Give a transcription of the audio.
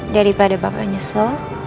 daripada bapak nyesel